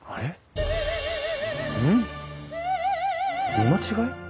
見間違え？